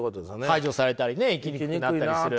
排除されたりね生きにくくなったりする。